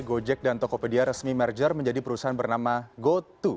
gojek dan tokopedia resmi merger menjadi perusahaan bernama go dua